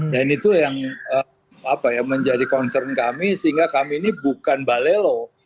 dan itu yang menjadi concern kami sehingga kami ini bukan balelo